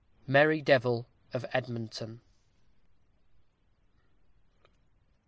_Merry Devil of Edmonton.